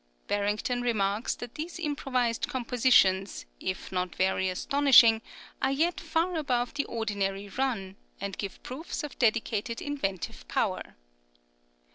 Barrington remarks that these improvised compositions, if not very astonishing, are {HOLLAND, 1765.} (43) yet far above the ordinary run, and give proofs of decided inventive power.